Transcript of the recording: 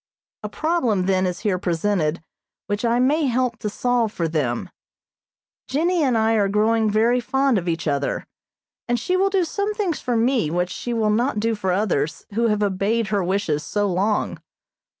A problem then is here presented which I may help to solve for them. Jennie and I are growing very fond of each other, and she will do some things for me which she will not do for others who have obeyed her wishes so long.